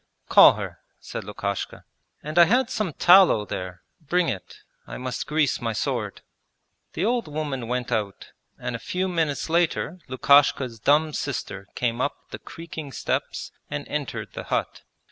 'Call her,' said Lukashka. 'And I had some tallow there; bring it: I must grease my sword.' The old woman went out, and a few minutes later Lukashka's dumb sister came up the creaking steps and entered the hut.